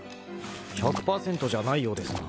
１００％じゃないようですが。